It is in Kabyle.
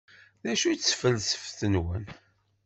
D acu-tt tfelseft-nwen?